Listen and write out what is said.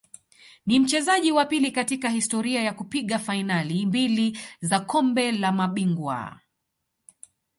Ni mchezaji wa pili katika historia ya kupiga fainali mbili za Kombe la Mabingwa